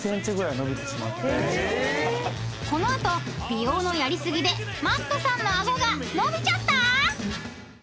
［この後美容のやり過ぎでＭａｔｔさんの顎が伸びちゃった⁉］